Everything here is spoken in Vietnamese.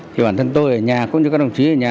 thì bản thân tôi ở nhà cũng như các đồng chí ở nhà